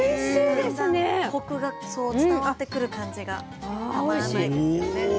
だんだんコクがそう伝わってくる感じがたまらないですよね。